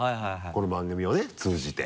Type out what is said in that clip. この番組をね通じて。